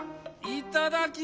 いただき。